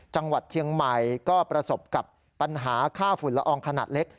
จังหวัดเชียงใหม่ก็ประสบกับปัญหาค่าฝุ่นละอองขนาดเล็ก